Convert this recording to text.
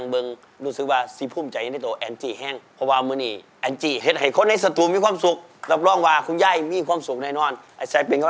เป็นยังไงบ้างพี่แซ็ค